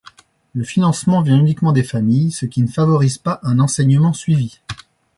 Le financement vient uniquement des familles, ce qui ne favorise pas un enseignement suivi.